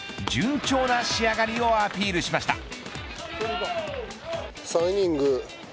順調な仕上がりをアピールしました。